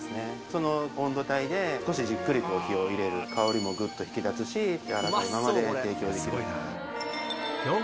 その温度帯で、少しじっくりと火を入れる、香りもぐっと引き立つし、柔らかいままで提供できる。